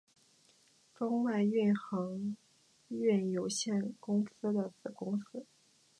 中外运航运有限公司的子公司。